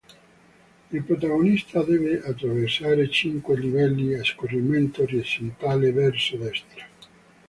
Il protagonista deve attraversare cinque livelli a scorrimento orizzontale verso destra.